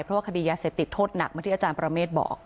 เพราะว่าคดียาเสพติดโทษหนักเหมือนที่อาจารย์ประเมฆบอก